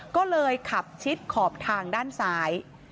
ก็เลยขับชิดขอบทางด้านซ้าย